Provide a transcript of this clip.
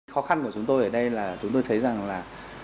khó khăn của chúng tôi ở đây là chúng tôi thấy rằng là